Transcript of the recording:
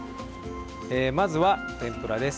まずは天ぷらです。